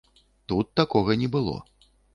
Тут такога не было.